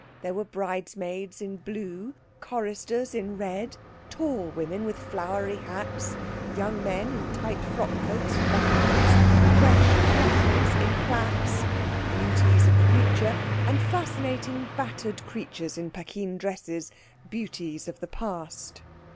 There were bridesmaids in blue, choristers in red, tall women with flowery hats, young men in tight frock coats and buttonholes, fresh 'flappers' in plaits, beauties of the future, and fascinating, battered creatures in Paquin dresses, beauties of the past.